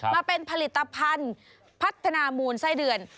มาเป็นผลิตภัณฑ์พัฒนามูลไส้เดือน